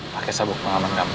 pak raka sabuk pengaman kamu